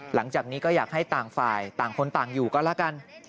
หลังจากนี้ก็อยากให้ต่างฝ่ายต่างคนต่างอยู่ก็แล้วกัน